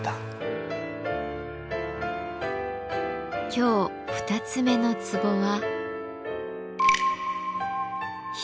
今日二つ目のツボは。